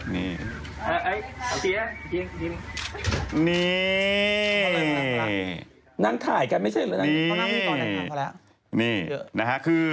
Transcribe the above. นี่นะฮะคือ